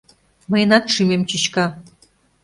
Мыйынат шӱмем чӱчка.